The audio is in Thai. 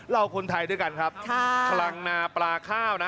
คนไทยด้วยกันครับคลังนาปลาข้าวนะ